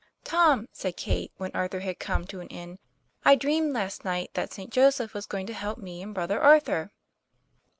'Tom," said Kate, when Arthur had come to an end, " I dreamed last night that St. Joseph was going to help me and brother Arthur."